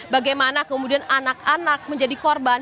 bagaimana kemudian anak anak menjadi korban